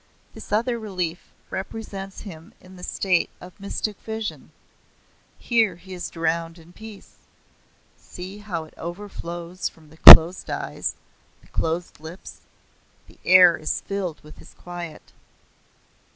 This other relief represents him in the state of mystic vision. Here he is drowned in peace. See how it overflows from the closed eyes; the closed lips. The air is filled with his quiet."